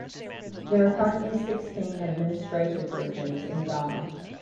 There are currently sixteen administrative regions in Ghana.